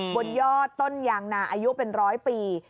บนยอดต้นยางนาอายุเป็นร้อยปี